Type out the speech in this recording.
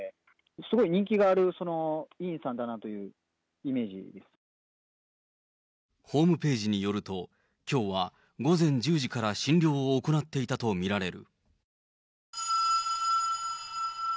すごい人気がある、ホームページによると、きょうは午前１０時から診療を行っていたと見られる。